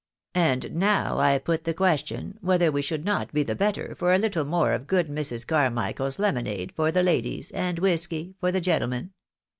" And now I put the question, whether we should not be the better for a httle more of good Mrs. Carmichael's lemonade for the ladies, and whisky for the gentlemen